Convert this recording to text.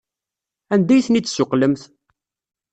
Anda ay ten-id-tessuqqlemt?